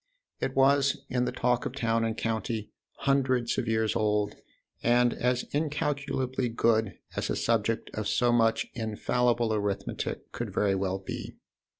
It was, in the talk of town and county, " hundreds of years " old, and as incalculably "good" as a subject of so much infallible arithmetic could very well be.